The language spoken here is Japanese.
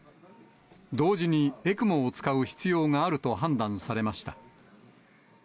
同時に、ＥＣＭＯを使う必要があると判断されました。